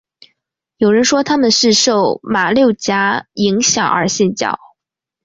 有人说他们是受马六甲影响而信教。